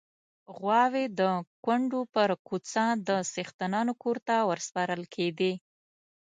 غواوې د کونډو پر کوڅه د څښتنانو کور ته ورسپارل کېدې.